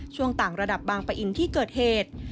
ช่วงต่างระดับบางปะอินที่เกิดเหตุ